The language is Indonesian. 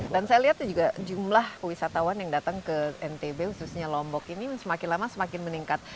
dan saya lihat juga jumlah kewisatawan yang datang ke ntb khususnya lombok ini semakin lama semakin meningkat